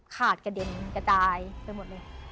กระเด็นกระจายไปหมดเลย